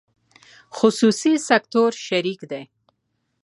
خصوصي سکتور شریک دی